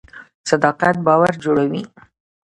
صداقت باور جوړوي